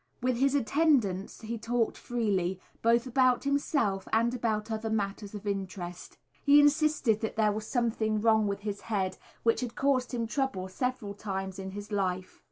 With his attendants he talked freely, both about himself and about other matters of interest. He insisted that there was something wrong with his head, which had caused him trouble several times in his life.